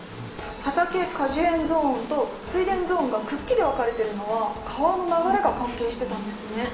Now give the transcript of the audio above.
畑果樹園ゾーンと水田ゾーンがくっきり分かれてるのは川の流れが関係してたんですね。